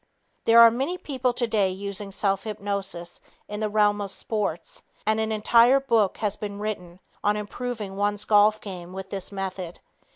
There are many people today using self hypnosis in the realm of sports, and an entire book has been written on improving one's golf game with this method.